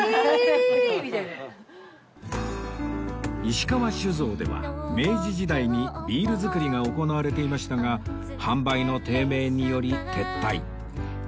石川酒造では明治時代にビール造りが行われていましたが販売の低迷により撤退